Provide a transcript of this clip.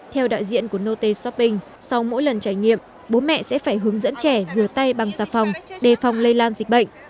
theo đại diện của note shopping sau mỗi lần trải nghiệm bố mẹ sẽ phải hướng dẫn trẻ rửa tay bằng xà phòng đề phòng lây lan dịch bệnh